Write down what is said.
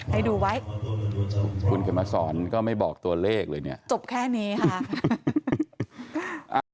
ให้ดูไว้คุณเขียนมาสอนก็ไม่บอกตัวเลขเลยเนี่ยจบแค่นี้ค่ะ